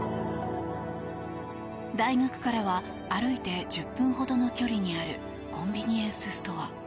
大学からは歩いて１０分ほどの距離にあるコンビニエンスストア。